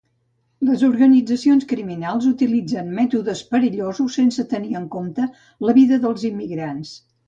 Les organitzacions criminals utilitzen mètodes perillosos sense tenir en compte la vida dels immigrants.